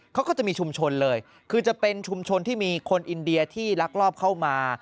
เขาก็จะมีชุมชนเลยคือจะเป็นชุมชนที่มีคนอินเดียที่ลักลอบเข้ามา